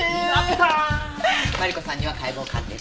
マリコさんには解剖鑑定書。